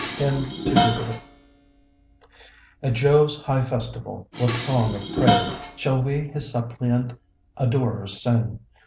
HYMN TO JUPITER At Jove's high festival, what song of praise Shall we his suppliant adorers sing?